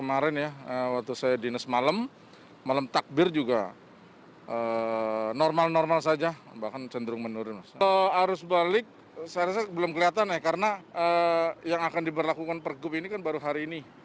arus balik saya rasa belum kelihatan ya karena yang akan diberlakukan pergub ini kan baru hari ini